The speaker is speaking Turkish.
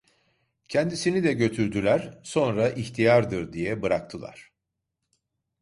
Kendisini de götürdüler, sonra ihtiyardır diye bıraktılar.